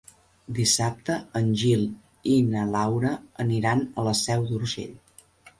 Dissabte en Gil i na Laura aniran a la Seu d'Urgell.